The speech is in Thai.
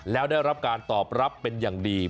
แล้วได้รับการตอบรับเป็นอย่างดี